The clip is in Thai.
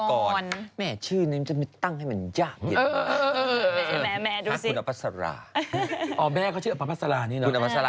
ของผมักกันเหรอพัฟศรกร